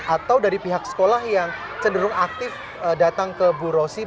atau dari pihak sekolah yang cenderung aktif datang ke bu rosi